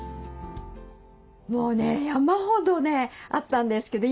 もうね山ほどねあったんですけど